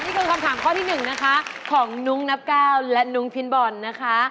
นี่คือคำถามข้อที่๑นะคะของนุ้งนับก้าวและนุ้งพินบอลนะคะ